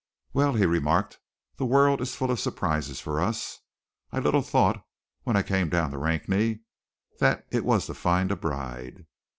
"Well," he remarked, "the world is full of surprises for us. I little thought, when I came down to Rakney, that it was to find a bride!"